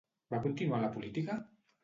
Va continuar a la política?